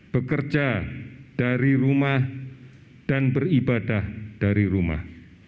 bekerja dari rumah dan beribadah dari rumah